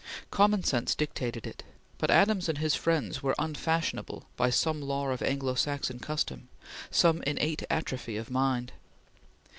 Common sense dictated it; but Adams and his friends were unfashionable by some law of Anglo Saxon custom some innate atrophy of mind.